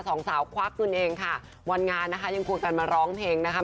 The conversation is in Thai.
สองสาวควักเงินเองค่ะวันงานนะคะยังควงกันมาร้องเพลงนะคะ